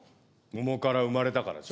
桃から生まれたからでしょ。